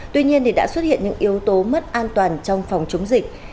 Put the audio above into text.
tuy nhiên đã xuất hiện những yếu tố mất an toàn trong phòng chống dịch